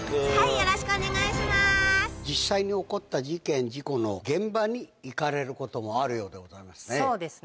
実際に起こった事件事故の現場に行かれることもあるようでございますね。